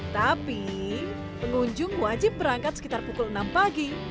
tapi pengunjung wajib berangkat sekitar pukul enam pagi